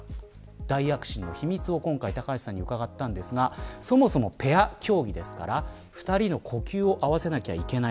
大躍進の秘密を今回高橋さんに伺ったんですがそもそもペア競技ですから２人の呼吸を合わせないといけない。